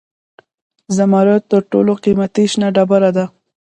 زمرد تر ټولو قیمتي شنه ډبره ده.